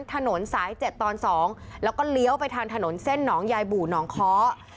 ถนนสาย๗ตอน๒แล้วก็เลี้ยวไปทางถนนเส้นหนองยายบู่หนองค้อ